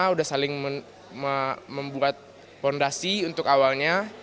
sudah saling membuat fondasi untuk awalnya